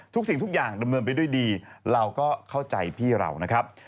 สิ่งทุกอย่างดำเนินไปด้วยดีเราก็เข้าใจพี่เรานะครับ